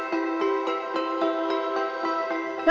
การใช้จ่าย